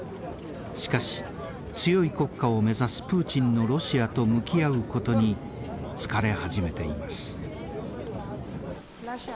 しかし強い国家を目指すプーチンのロシアと向き合うことに疲れ始めています。